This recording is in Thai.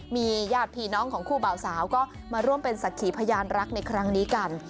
มีญาติพี่น้องของคู่บ่าวสาวก็มาร่วมเป็นศักดิ์ขีพยานรักในครั้งนี้กัน